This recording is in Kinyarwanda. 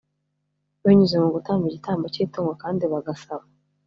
Binyuze mu gutamba igitambo cy itungo kandi bagasaba